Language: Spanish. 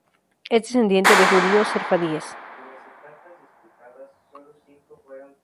Es descendiente de judíos sefardíes.